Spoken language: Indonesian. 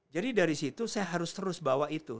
jadi dari situ saya harus terus bawa itu